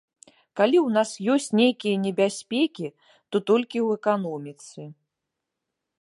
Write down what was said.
Калі ў нас ёсць нейкія небяспекі, то толькі ў эканоміцы.